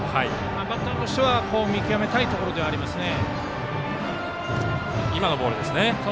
バッターとしては見極めたいところですね。